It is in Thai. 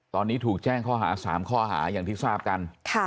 ตอนนี้ถูกแจ้งข้อหา๓ข้อหาอย่างที่ทราบกัน